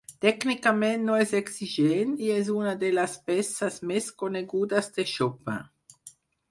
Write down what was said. Tècnicament no és exigent i és una de les peces més conegudes de Chopin.